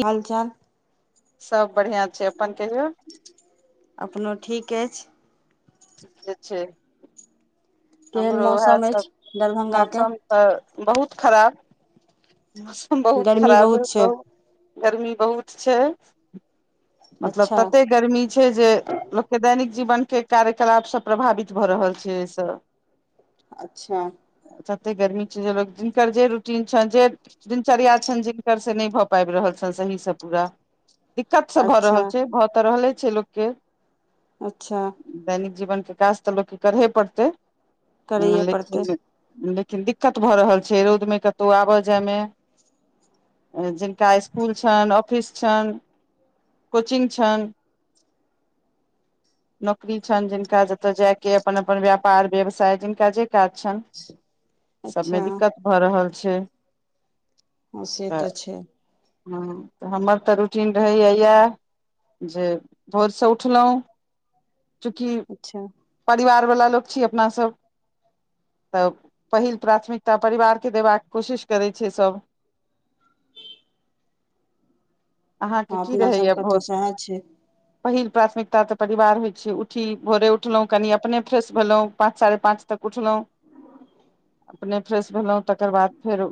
हाल चाल [inaudible] सब बड़ियाँ छै अपन कहियौ अपनो ठीक अछि ठीके छै केहन हमरो उएह मौसम सब अछि दरभंगा के मौसम तऽ बहुत खराब बहुत गर्मी खराब छै कहु गर्मी बहुत छै मतलब अच्छा तते गर्मी छै जे लोकके दैनिक जीवन के कार्यकलाप सब प्रभावित भऽ रहल छै एहिसँ अच्छा जते गर्मी छै लोक जिनकर जे रूटीग छनि जे दिनचर्या छनि जिनकर से नै भऽ पाबि रहल छनि सहीसँ पूरा दिक्कत सब भऽ अच्छा रहल छै भऽ तऽ रहले छै लोकके अच्छा दैनिक जीवन प्रकाश तऽ लोकके करहे पड़तै करैए पड़तै लेकिन लेकिन दिक्कत भऽ रहल छै रोदमे कतौ आबय जायमे ज का इस्कुल छनि ऑफिस छनि कोचिंग छनि नौकरी छनि जिनका जतय जाय के अपन अपन व्यापार व्यवसाय जिनका जे काज छनि सबमे अच्छा दिक्कत हँ भऽ रहल छै हूम से तऽ छै हँ तऽ हमर तऽ रूटीन रहैए इएह जे भोरसँ उठलौं चूँकि अच्छा परिवार वला लोक छी अपनासब तऽ पहिल प्राथमिकता परिवारके देबाक कोशिश करै छीयै सब अहाँके हँ की अपना रहैया सबके तऽ बहुत सएह छै पहिल प्राथमिकता तऽ परिवार होइ छै उठी भोरे उठलौ कनि अपने फ्रेश भेलौं पाँच साढ़े पाँच तक उठलौं अपने फ्रेश भेलौं तकर बाद फेर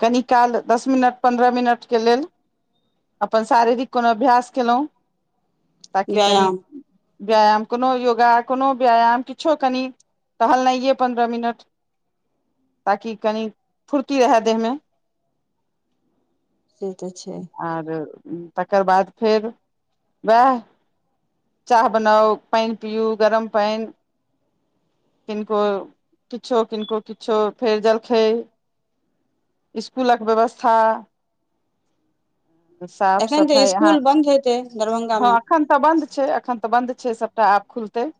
कनि काल दस मिनट पन्द्रह मिनटके लेल अपन शारीरिक कोनो अभ्यास केलौं ताकि कनि व्यायाम व्यायाम कोनो योगा कोनो व्यायाम किछो कनि टहलनाइये पन्द्रह मिनट ताकि कनि फुर्ती रहए देहमे से तऽ छै आर तकर बाद फेर वएह चाह बनाउ पानि पियू गरम पानि किनको किछो किनको किछो फेर जलखैय इस्कुलक व्यवस्था साफ एखन तऽ सफाइ अहाँ स्कुल बन्द हेतै दरभंगा मे हँ एखन तऽ बन्द छै एखन तऽ बंन्द छै सबटा आप खुलतै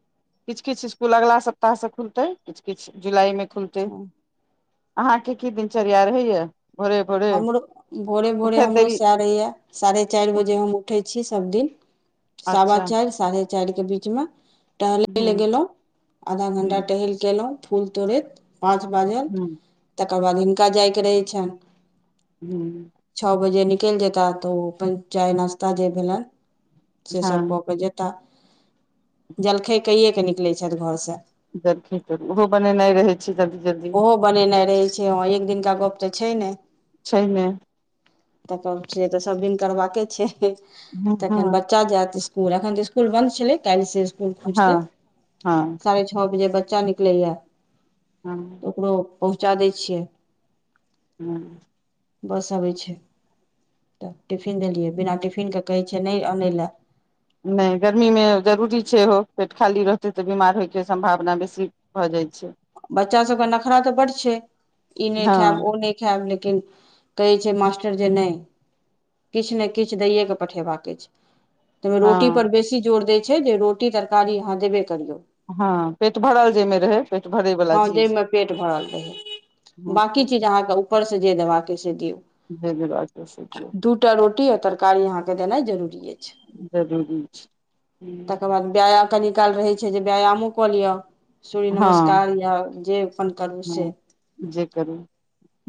किछ किछ इस्कुल अगला सप्ताह स खुलतै किछ किछ जुलाई मे फुलतैे अच्छा अहाँके की दिनचर्या रहै या भोरे भोरे हमरो भोरे भोरे उठैत हमरो देरी सएह रहैया साढ़े चारि बजे हम उठै छी सबदिन अच्छा सावाचारि साढ़े चार के बीच मे टहलै हूँ लए गेलौं आधा घंटा हूँ टहैल केे एलौं फूल तोड़ैत पाँच बाजल हूँ तकर बाद हिनका जायके रहै छनि हूँ छ बजे निकैल जेता तऽ ओ अपन चाय नास्ता जे भेलैन से सब हँ क के जेता तऽ जलखैए कयेऽक निकलै छथि घरसँ [unintelligible] ओहो बनेनाइ रहै छै जल्दी जल्दी ओहो बनेनाइ रहे छै ह एक दिनका गप तऽ छै ने छै नै [unintelligible] तऽ सब दिन करबा केँ छै हँ हँ तखन ब चा जैत इसकुल अखन तऽ इसकुल बन्द छलै काइल से इसकूल खुजते हँ हँ [inaudible] साढ़े छ बजे बच्चा निकले या हँ ओकरो पहुँचा दै छियै हूँ बस अबै छै तऽ टिफिन देलियै बिना टिफिन कऽ कहै छैै नै अनै लऽ नै गर्मी में जरूरी छै ओहो पेट खाली रहतै तऽ बीमार होय केँ सम्भावना बेसी भऽ जाइ छै बच्चा सब कऽ नखरा तऽ बड छै ई नै खैब हँ ओ नै खैब लेकिन कहै छै मास्टर जे नै किछ ने किछ दैए केँ पठेबाक अछि [inaudible] तैयमें रोटी हँ पर बेसी जोर देय छै जे रोटी रोटी तरकारी अहाँ देबे करियौ हँ पेट भरल जेमे रहे पेट भरे वला हऽ जैय म पेट भरल रहै हँ बकी चीज अहाँ कऽ ऊपर से जे देबाक कऽ से दियऔ [unintelligible] दू टा रोटी आ तरकारी अहाँ केँ देनाइ जरूरी यै जरूरी छै [unintelligible] व्याय कनी काल रहै छै जे व्यायामो कऽ लिअ सूर्य हँ नमस्कार या जे अपन करू से हँ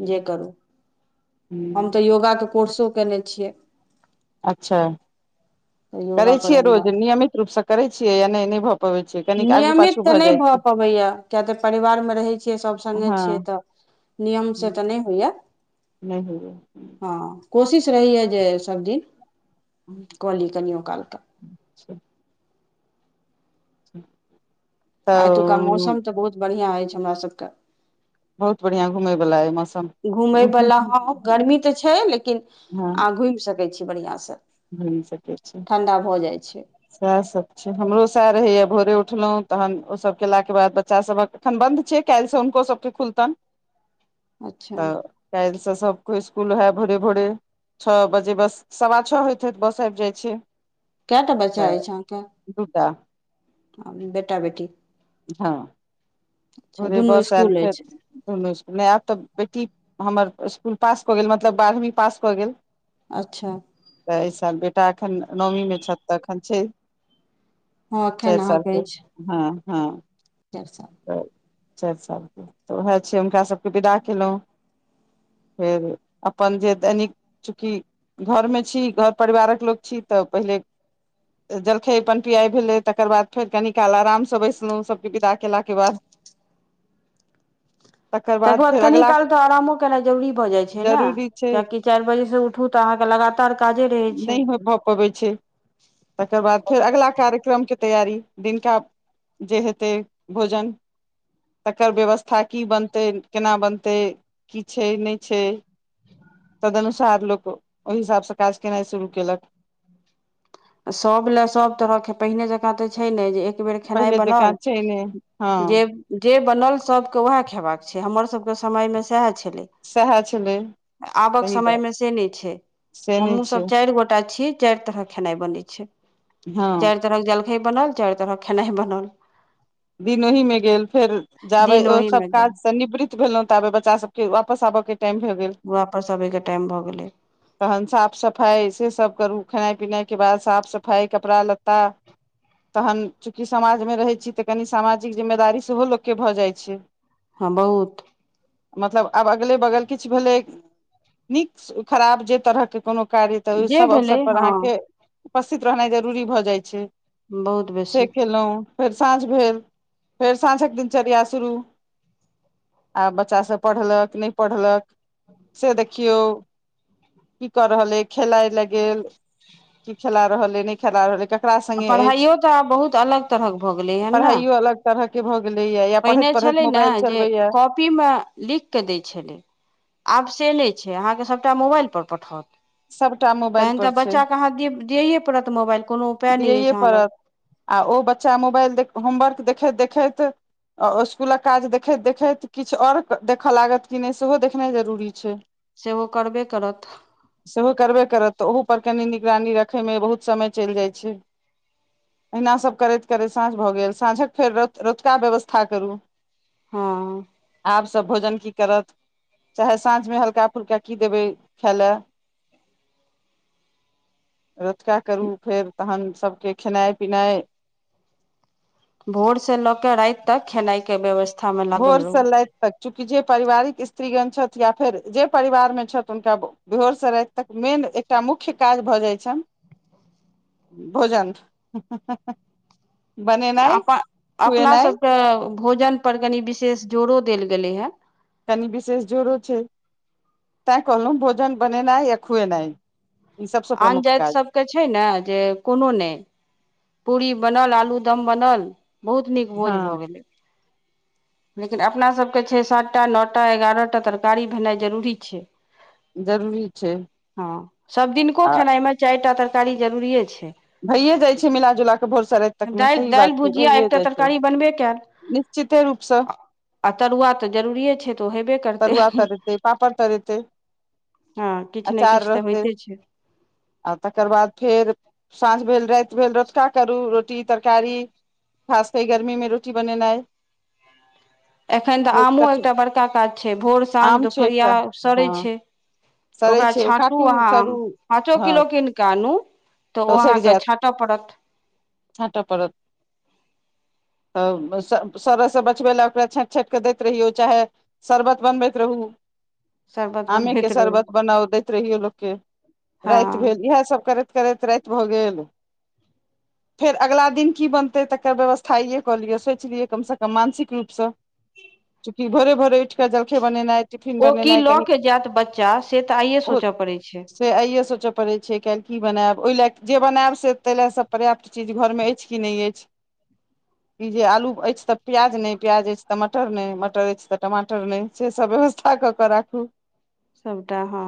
जे करू हम तऽ योगा कऽ कोर्सो कयने छियै अच्छा तऽ करे योगा पर छियै हमरा रोज नियमित रूप से करे छियै या नै नै भ भऽ पबै छियै कनीक आगू पाछू भऽ नै जाइ भऽ छै पबैय किया तऽ परिवार में रहै छियै सभ संगे हँ छियै तऽ नियम से तऽ नै होइय नै होइय हँ कोशिश रहैय जे सब दिन [inaudible] कऽ ली कनियो काल कऽ [unintelligible] [unintelligible] एतुका तऽ मौसम तऽ बहुत बढ़िआँ ऐछ हमरा सभ कऽ बहुत बढ़िया घुमै बला यऽ मौसम घुमै हँ बला ह गर्मी तऽ छै लेकिन अहाँ घुम सकै छी बढ़िआं स घुम सके छी ठण्डा भऽ जाइ छै सैह सब छै हमरो सैह रहैया भोरे उठलौ तहन ओसभ केला केँ बाद बच्चा सभ हक एखन बन्द छै काइल से हुनको सब केँ खुलतन [inaudible] अच्छा काइल स सब कोई इसकुल ओहै भोरे भोरे छ बजे बस सवा छ होइत हो तऽ बस आइब जाइ छै कैटा बच्चा तऽ ऐछ अहाँ दूटा केँ [inaudible] बेटा बेटी हँ अच्छा भोरे दुनू बस ऐल इसकुल फेर अछि [unintelligible] आब तऽ बेटी हमर इस्कुल पास कऽ गेल मतलब बारहवीं पास कऽ गेल अच्छा तऽ एहि साल बेटा एखन नमी मे छथि तऽ एखन छै हँ एखन चारि सालके हँ हँ चैरसा त चारि सालके तऽ उएह छै हुनका सबके विदा केलौं फेर अपन जे दैनिक चुकि घरमे छी घर परिवारक लोक छी तऽ पहिले जलखै पैन पियाय भेलै तकर बाद फेर कनी काल आराम स बैसलौं सबके विदा केला के बाद तकर बाद कनि काल तऽ आरामो केनाइ जरूरी भऽ जाइ छै ने जरूरी छै कियाकि चारि बजेसँ उठू तऽ अहाँके लगातार काजे रहै छै अबै छै तकर बाद फेर अगिला कार्यक्रम के तैयारी दिनका जे हेतै भोजन तकर व्यवस्था की बनतै केना बनतै की छै नै छै तदनुसार लोक ओहि हिसाबसँ काज केनाइ शुरू केलक सब लए सब तरह के पहिने जकाँ तऽ छै ने जे एक एक बेर खेनाइ पहिले जकाँ बनल छै ने हँ जे जे बनल सब के वएह खेबाक छै हमर सब के समय मे सएह छलै सएह छलै आबक सही बात समय मे से नै छै से नहि हमु छै सब चारि गोटा छी चारि तरह खेनाइ बनै छै हँ तरहक जलखइ बनल चारि तरह खेनाइ बनल दिन ओहिमे गेल फेर जाबे दिन ओ सब ओहिमे काज गेल स निवृत भेलौं ताबेत बच्चा सबके वापस आबऽ के टाइम भए गेल वापस अबै के टाइम भऽ गेलै तहन साफ सफाइ से सब करू खेनाइ पिनाइ के बाद साफ सफाइ कपड़ा लत्ता तखन चूँकि समाजमे रहै छै तऽ कनि सामाजिक जिम्मेदारी सेहो लोकके भऽ जाइ छै हँ बहुत मतलब आब अगले बगल किछु भेलैक नीक खराब जे तरहके कोनो कार्य तऽ ओहि जे सब अवसर भेलै पर हँ अहाँके उपस्थित रहनाइ जरूरी भऽ जाइ छै बहुत बेसी से केलौं फेर साँझ भेल फेर साँझक दिनचर्या शुरू आब बच्चा सब पढ़लक कि नै पढ़लक से देखियौ की कर रहल अई खेलाय ला गेल की खेला रहल अई नै खेला रहल अई क आ पढ़ाइयो तऽ आब बहुत अलग तरहक भऽ गेलै हेन ने तरह के भऽ गेलै या या पढ़ैत पढ़ैत मोबाइल चलबै या [unintelligible] मे लिख के दै छलै आब से नै छै अहाँके सबटा मोबाइल पर पठावत सभटा मोबाइल तहन पर तऽ छै बच्चा के अहाँ दि दियैए पड़त मोबाइल कोनो उपाय नहि दियैए अछि अहाँ लग पड़त आ ओ बच्चा मोबाइल देख होमवर्क देखैत देखैत आ इस्कुलक काज देखैत देखैत किछ आओर देखय लागत कि नै सेहो देखनाइ जरूरी छै से ओ करबे करत सेहो करबे करत तऽ ओहूपर कनि निगरानी रखयमे बहुत समय चलि जाइ छै अहिना सभ करैत करैत साँझ भऽ गेल साँझक फेर रो रोतुका व्यवस्था करू हँ आब सब भोजन की करत चाहे साँझ में हल्का फुल्का की देबै खैय लऽ [inaudible] रोतुका करू फेर तहन सभ केँ खेनाइ पिनाइ भोर से लऽ केँ राइत तक खेनाइ केँ व्यवस्था भोर स लाइत तऽ चूँकि जे परिवारिक स्त्रीगण छैथ या फेर जे परिवार में छैथ हुनका भोर स राइत तक मेन एकटा मुख्य काज भऽ जाइ छन भोजन [unintelligible] बनेनाइ आपन अपना खुएनाइ सभ कऽ भोजन पर कनि विशेष जोरो देल गेलै हऽ कनि विशेष जोरो छै [inaudible] तैं कहलौं भोजन बनेनै या खुसनै आन जैत सभ केँ छै न जे कोनो नै पूरी बनल आलू दम बनल बहुत नीक भोज हँ भऽ गेलै लेकिन अपना सब केँ छै सात टा नौ टा एगारह टा तरकारी भेनै जरूरी छै जरूरी छै [inaudible] हँ सभ दिनको आ खेनाइ म चाइर टा तरकारी जरूरिए छै भैए जाइ छै मिला जुला कऽ भोर स राइत तक म दालि सही दालि बात छै भुजिया भैए एकटा जाइ छै तरकारी बनबे कयल निश्चिते रूप स आ तरुआ तऽ जरूरीे छै तऽ ओ हेबे करतै तरुआ तरेतै पापड़ तरेतै हँ किछ नै अचार किछ तऽ रहतै होइते छै आ तकर बाद फेर साँझ भेल राइत भेल रतुका करू रोटी तरकारी खास केँ गर्मी में रोटी बनेनै [inaudible] एखन तऽ आमो एकटा बड़का काज छै भोर साँझ आम छै दुोपहरिया एकटा सड़ै हँ छै सड़ै ओकरा छै ओ छाँटू काटू अहाँ आम तरू पाँचो हँ किलो कीन कऽ आनू तऽ ओ अहाँ कऽ छाँट पड़त छाँट परत तऽ [unintelligible] सर बचबै लए ओकरा छाँट छाँट कऽ दैत रहियौ चाहे शरबत बनबैत रहू शरबत आमे के बनबैत रहू शरबत बनाउ दैत रहियौ लोक केँ [inaudible] राइत हँ भेल इहै सभ करैत करैत राइत भऽ गेल [unintelligible] फेर अगला दिन की बनतै तकर व्यवस्था आइए कऽ लियै सोचि लियै कम स कम मानसिक रूप स की भरे भरे उठी कऽ जलखै बनेनैय ओ की लऽ कऽ जैत बच्चा से तऽ आए सोच पड़ै छै से आइए सोच पड़ै छै काइल की बनैब ओइ लए जे बनैब से तैय लऽ से पर्याप्त चीज घर में ऐछ कि नै ऐछ [unintelligible] ई जे आलू ऐछ तऽ प्याज नै प्याज ऐछ तऽ मटर नै मटर ऐछ तऽ टमाटर नै से सब व्यवस्था कऽ कऽ राखू सबटा हऽ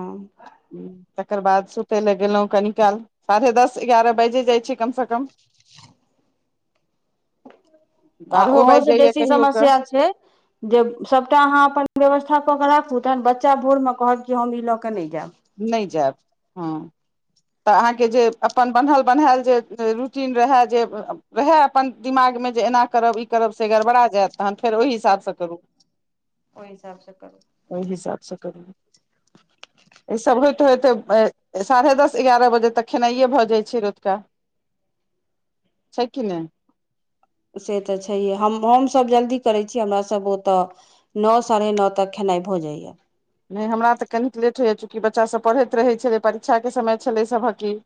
तकर बाद सुतै लऽ गेलौं कनी काल साढ़े दस एगारह बाजे जाइ छी कम स कम [inaudible] [inaudible] आ बारहो ओहो बाजि स जाइया बेसी कहियो कऽ समस्या छै जे सभटा अहाँ अपन व्यवस्था कऽ कऽ राखू तहन बच्चा भोर म कहत कि हम ई लऽ कऽ नै जाब नै जैब [inaudible] हऽ तऽ अहाँकेँ जे अपन बन्हल बन्हायल जे रूटीन रहै जे रहै अपन दिमागमे जे एना करब ई करब से गड़बड़ा जैत तहन फेर ओहि जायब हिसाबसँ करू ओहि हिसाबसँ करू ओहि हिसाबसँ करू ईसभ होइत - होइत ए साढ़े दस एगारह बजे तक खेनाइए भऽ जाइत छै रोतका छै कि नै से तऽ छैहे हम हमसभ जल्दी करै छी हमरासभ ओतऽ नो साढ़े नो तक खेनाइ भऽ जाइ यऽ नय हमरा तऽ कनिक लेट होइ यऽ चूँकि बच्चा सभ पढ़ैत रहै छलै परीक्षा केँ समय छलै सभहक की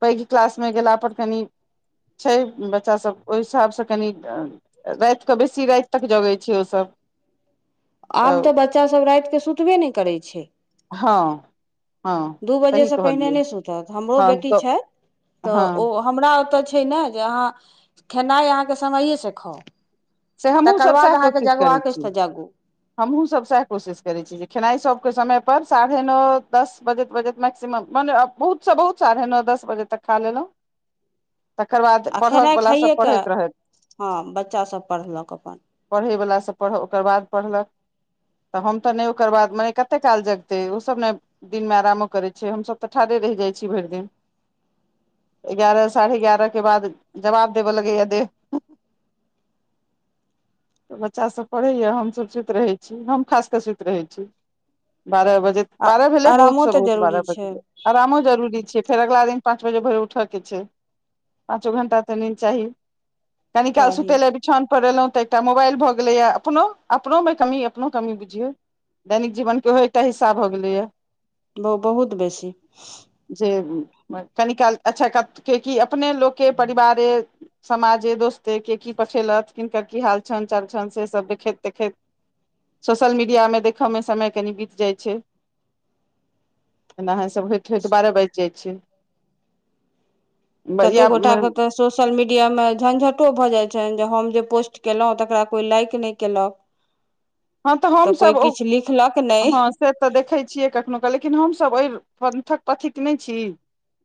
पैघ क्लास मे गेला पर कनि छै बच्चासभ ओहि हिसाबसँ कनि राइत कऽ बेसी राइत तक जगै छै ओसभ आब तऽ बच्चासभ राइत केँ सुतबे नय करै छै हँ हँ दू सही बजेसँ पहिने कहलियै नय सुतत हमरो हँ बेटी तऽ छै तऽ हँ ओ हमरा ओतऽ छै नऽ जे अहाँ खेनाइ अहाँकेँ समये सँ खाउ से हमहूँ सब तकर सएह बाद अहाँकेँ कोशिश करै जगबाक अछि छी तऽ जगू हमहूँ सभ सैह कोशिश करै छी जे खेनाइ सभ कऽ समय पर साढ़े नौ दस बजैत - बजैत मैक्सिमम मने बहुत सँ बहुत साढ़े नो दस बजे तक खा लेलहुँ तकर बाद आ पढ़क खेनाइ बला सब खाइएके पढ़ैत रहै हँ बच्चा सब पढ़लक अपन पढ़य वला सभ पढ़ै ओकर बाद पढ़लक तऽ हम तऽ नय ओकर बाद मने कतेक काल जगतै ओसभ नऽ दिन मे आरामो करै छै हमस तऽ ठाढ़े रहि जाइ छी भइर दिन एगारह साढ़े एगारह केँ बाद जवाब देबऽ लगैय देह तऽ बच्चासभ पढ़ै यऽ हमसभ सुइत रहै छी हम खास कऽ सुइत रहै छी बारह बजैत आ बारह भेलै बहुत आरामो सँ तऽ बहुत जरूरी बारह छै बजलै आरामो जरूरी छै फेर अगला दिन पाँच बजे भोरे उठऽ केँ छै पाँचो घंटा तऽ निंद चाही कनि काल चाही सुतै लऽ बिछाउन पर एलहुँ तऽ एकटा मोबाइल भऽ गेलैय अपनो अपनोमे कमी अपनो कमी बुझियौ दैनिक जीवन केँ ओहो एकटा हिस्सा भऽ गेलै यऽ ब - बहुत बेसी जे कनिकाल अच्छऽ क केँ की अपने लोक केँ परिवारे समाजे दोस्ते केँ की पठेलथ किनकर की हाल छैन चाल छैन से सब देखैत देखैत सोशल मीडियामे देखयमे समय कनी बीत जाइ छै एनाहे सभ होइत होइत बारह बैज जाइ छै तते गोटा या कऽ तऽ सोशल मीडियामे झंझटो भऽ जाइ छैन जे हम जे पोस्ट केलहुँ तकरा कोइ लाइक नय केलक हँ तऽ कोइ हमसभ ओ किछु लिखलक नहि हँ से तऽ देखै छियै कखनो कऽ लेकिन हमसभ पंथक पथिक नय छी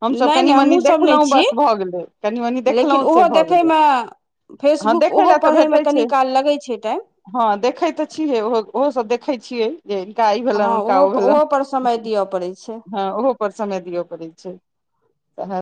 हमसभ नहि नहि कनि मनी हमहूँसभ नहि देखलहुँ छी बस भऽ गेलै कनि मनि लेकिन देखलहुँ से ओहो भऽ गेलै देखयमे हँ फेसबुक देखै ओहो लए तऽ पढ़ैमे भेटै छै कनि काल लगै छै टाइम हँ देखै तऽ छियै ओहो ओहो सब देखै छियै जे हिनका ई भेलैन हँ हुनका ओहो ओ भेलैन ओहो पर समय दिअ पड़ै छै हँ ओहो पर समय दियऽ पड़ै छै सएह